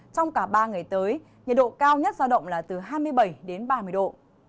trong cả ba ngày tới nhiệt độ cao nhất giao động là từ hai mươi bảy đến ba mươi độ